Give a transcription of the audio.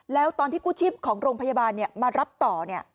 แล้วตอนที่กู้ชิบของโรงพยาบาลเนี่ยมารับต่อเนี่ย